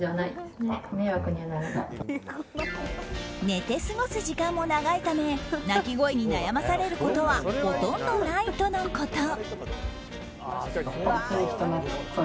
寝て過ごす時間も長いため鳴き声に悩まされることはほとんどないとのこと。